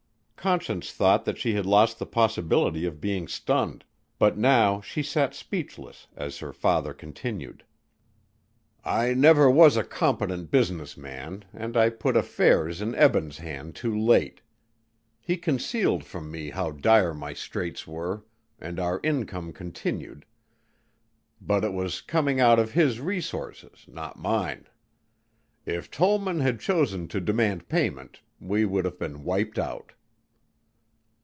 Conscience thought that she had lost the possibility of being stunned, but now she sat speechless as her father continued. "I never was a competent business man and I put affairs in Eben's hands too late. He concealed from me how dire my straits were and our income continued but it was coming out of his resources not mine. If Tollman had chosen to demand payment, we would have been wiped out."